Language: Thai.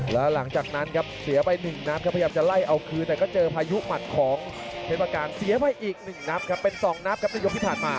แล้วหลังจากนั้นครับเสียไปหนึ่งนัดครับพยายามจะไล่เอาคืนแต่ก็เจอพายุหมัดของเพชรประการเสียไปอีกหนึ่งนับครับเป็น๒นับครับในยกที่ผ่านมา